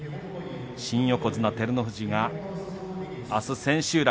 新横綱照ノ富士があす千秋楽。